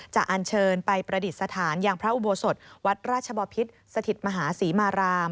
อันเชิญไปประดิษฐานอย่างพระอุโบสถวัดราชบพิษสถิตมหาศรีมาราม